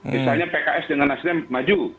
misalnya pks dengan nasdem maju